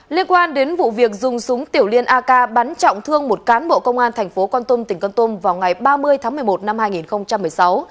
liên quan đến vụ việc dùng súng tiểu liên ak bắn trọng thương một cán bộ công an thành phố con tum tỉnh con tôm vào ngày ba mươi tháng một mươi một năm hai nghìn một mươi sáu